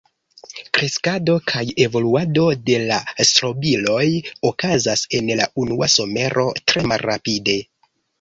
Kreskado kaj evoluado de la strobiloj okazas en la unua somero tre malrapide.